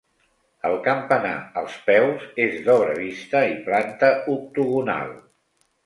El campanar, als peus, és d'obra vista i planta octogonal.